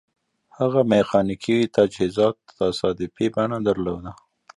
هغه میخانیکي تجهیزات تصادفي بڼه درلوده